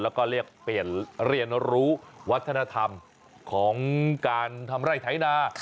แล้วก็เรียนรู้วัฒนธรรมของการทำไร่ไถนา